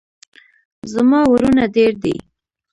زما ورونه ډیر دي